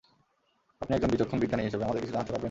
আপনি একজন বিচক্ষণ বিজ্ঞানী হিসেবে আমাদেরকে কিছু জানাতে পারবেন?